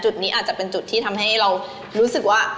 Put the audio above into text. นี้อาจจะเป็นจุดที่ทำให้เรารู้สึกว่า